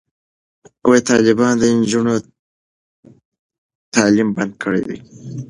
طالبانو د نجونو تعلیم بند کړی دی.